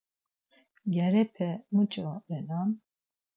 Gyarepe muç̌o renan?